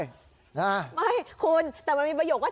ไม่คุณแต่มันมีประโยคว่า